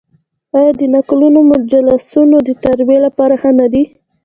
آیا د نکلونو مجلسونه د تربیې لپاره نه دي؟